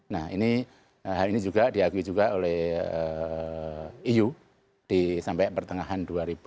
nah ini hal ini juga diakui juga oleh eu di sampai pertengahan dua ribu delapan belas